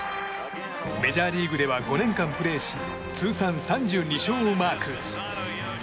メジャーリーグでは５年間プレーし通算３２勝をマーク。